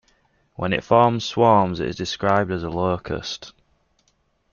When it forms swarms, it is described as a locust.